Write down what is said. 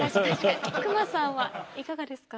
隈さんはいかがですか？